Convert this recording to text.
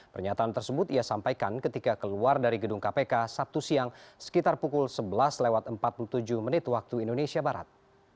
pernyataan tersebut ia sampaikan ketika keluar dari gedung kpk sabtu siang sekitar pukul sebelas lewat empat puluh tujuh menit waktu indonesia barat